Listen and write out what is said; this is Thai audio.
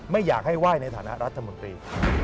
ไม่อยากให้ไหว้ในฐานะรัฐมนตรี